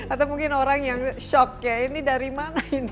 atau mungkin orang yang shock ya ini dari mana ini